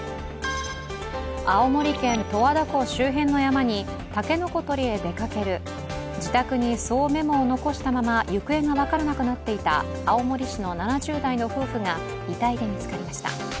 青森県十和田湖周辺の山にたけのこ取りへ出かける自宅にそうメモを残したまま行方が分からなくなっていた青森市の７０代の夫婦が遺体で見つかりました。